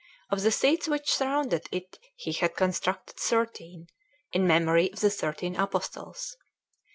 Of the seats which surrounded it he had constructed thirteen, in memory of the thirteen Apostles.